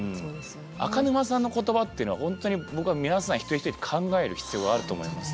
赤沼さんの言葉っていうのは本当に僕は皆さん一人一人考える必要があると思いますね。